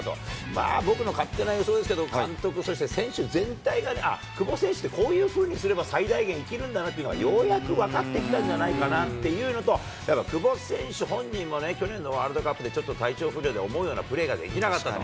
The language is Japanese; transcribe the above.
まあ、僕の勝手な予想ですけど、監督、そして選手全体が久保選手ってこういうふうにすれば、最大限生きるんだなっていうのがようやく分かってきたんじゃないかなっていうのと、やっぱ久保選手本人もね、去年のワールドカップでちょっと体調不良で思うようなプレーができなかったと。